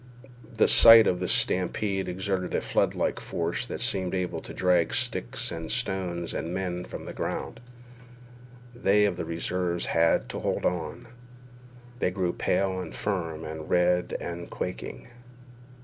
The sight of this stampede exerted a floodlike force that seemed able to drag sticks and stones and men from the ground. They of the reserves had to hold on. They grew pale and firm, and red and quaking.